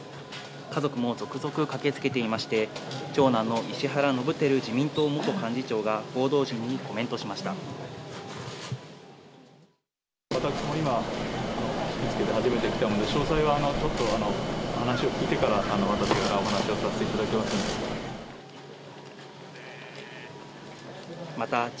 家族も続々駆けつけていまして、長男の石原伸晃自民党元幹事長が、報道陣にコメントしました。